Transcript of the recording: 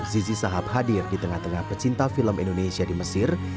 zizi sahab hadir di tengah tengah pecinta film indonesia di mesir